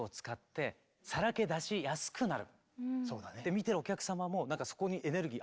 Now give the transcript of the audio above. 見てるお客様もなんかそこにエネルギー